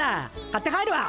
買って帰るわ。